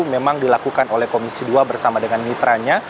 memang dilakukan oleh komisi dua bersama dengan mitranya